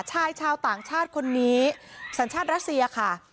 ชายชาวต่างชาติคนนี้สัญชาติรัสเซียค่ะ